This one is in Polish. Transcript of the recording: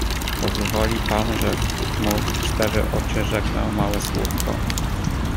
"Pozwoli pan, że mu w cztery oczy rzeknę małe słówko."